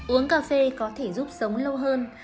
uống cà phê có thể giúp sống lâu hơn